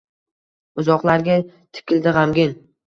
uzoqlarga tikildi g‘amgin.